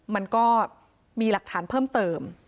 มันก็มีหลักฐานเพิ่มเติม